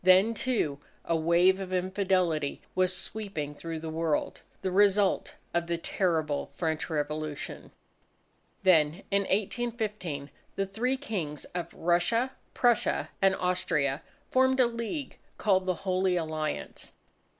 Then, too, a wave of infidelity was sweeping through the world, the result of the terrible French Revolution. Then, in 1815, the three Kings of Russia, Prussia, and Austria, formed a league called the Holy Alliance.